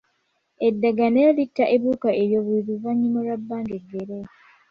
Eddagala nalyo litta ebiwuka ebyo buli luvannyuma lwa bbanga eggere.